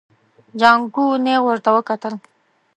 جانکو نيغ ورته وکتل.